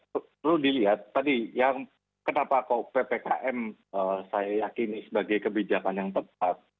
perlu dilihat tadi yang kenapa kok ppkm saya yakini sebagai kebijakan yang tepat